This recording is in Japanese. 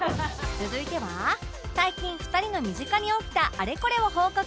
続いては最近２人の身近に起きたあれこれを報告